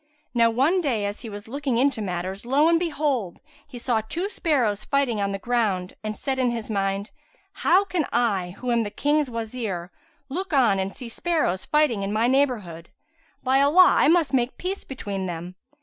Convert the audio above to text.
Now one day as he was looking into matters, lo and behold! he saw two sparrows fighting on the ground and said in his mind, "How can I, who am the King's Wazir, look on and see sparrows fighting in my neighbourhood? By Allah, I must make peace between them!"